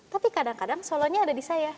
tapi kadang kadang solonya ada di saya